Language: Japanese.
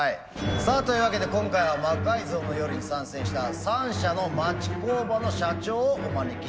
さあというわけで今回は「魔改造の夜」に参戦した３社の町工場の社長をお招きしました。